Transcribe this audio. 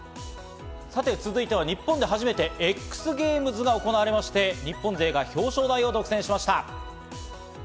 続いては日本で初めてＸＧａｍｅｓが行われ、日本勢が表彰台を独占しました。